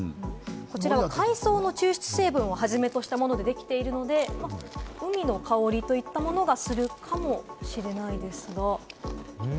こちら、海藻の抽出成分をはじめとしたものでできているので、海の香りといったものがするかもうん。